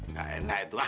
gak enak itu lah